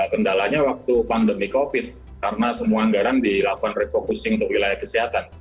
kendalanya waktu pandemi covid karena semua anggaran dilakukan refocusing untuk wilayah kesehatan